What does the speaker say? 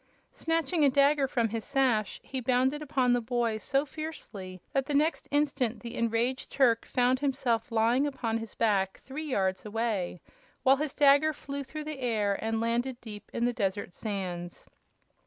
Snatching a dagger from his sash, he bounded upon the boy so fiercely that the next instant the enraged Turk found himself lying upon his back three yards away, while his dagger flew through the air and landed deep in the desert sands.